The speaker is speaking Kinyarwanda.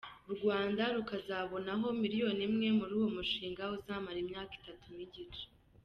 U Rwanda rukazabonaho miliyoni imwe, muri uwo mushinga uzamara imyaka itatu n’igice.